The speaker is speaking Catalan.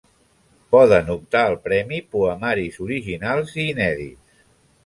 Poden optar al premi poemaris originals i inèdits.